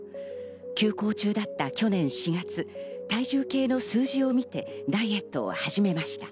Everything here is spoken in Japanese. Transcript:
休校中だった去年４月、体重計の数字を見てダイエットを始めました。